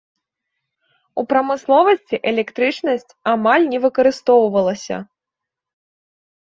У прамысловасці электрычнасць амаль не выкарыстоўвалася.